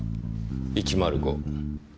１０５。